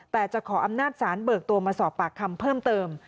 แต่จะขออำนาจศาลเบิกตัวมาสอบปากคำเพิ่มเติม